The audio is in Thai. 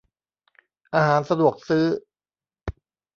อาหารสะดวกซื้อ